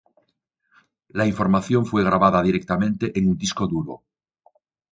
La información fue grabada directamente en un disco duro.